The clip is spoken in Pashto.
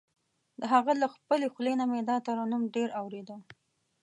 د هغه له خپلې خولې نه مې دا ترنم ډېر اورېده.